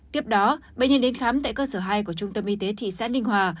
tiếp đó bệnh nhân đến khám tại cơ sở hai của trung tâm y tế thị xã ninh hòa